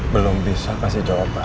belum bisa kasih jawaban